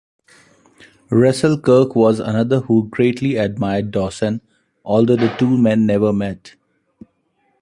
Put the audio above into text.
Russell Kirk was another who greatly admired Dawson, although the two men never met.